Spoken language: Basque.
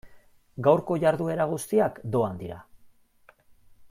Gaurko jarduera guztiak doan dira.